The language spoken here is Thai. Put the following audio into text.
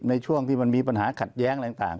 ในช่วงที่มันมีปัญหาขัดแย้งอะไรต่าง